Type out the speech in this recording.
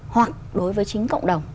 hoặc đối với chính cộng đồng